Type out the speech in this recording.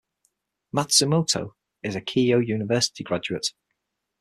Matsumoto is a Keio University graduate.